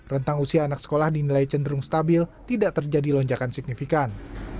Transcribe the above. rentang usia anak sekolah dinilai cenderung stabil tidak terjadi lonjakan signifikan